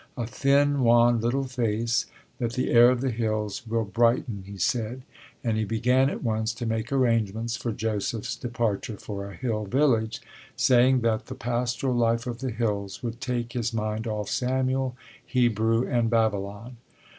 A thin, wan little face, that the air of the hills will brighten, he said; and he began at once to make arrangements for Joseph's departure for a hill village, saying that the pastoral life of the hills would take his mind off Samuel, Hebrew and Babylon.